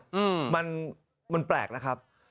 ก็จะมันแปลกนะครับ